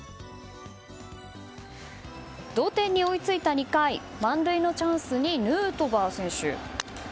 同点に追いついた２回満塁のチャンスでヌートバー選手。